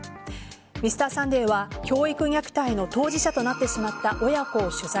「Ｍｒ．サンデー」は教育虐待の当事者となってしまった親子を取材。